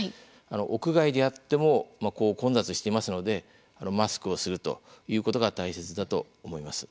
屋外であっても混雑していますのでマスクをするということが大切だと思います。